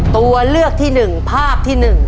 ตัวเลือกที่๑ภาพที่๑